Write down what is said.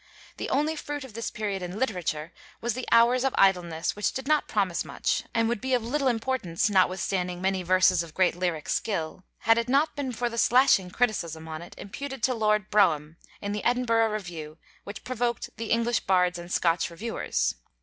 The only fruit of this period in literature was the 'Hours of Idleness,' which did not promise much, and would be of little importance notwithstanding many verses of great lyric skill, had it not been for the slashing criticism on it, imputed to Lord Brougham, in the Edinburgh Review, which provoked the 'English Bards and Scotch Reviewers.'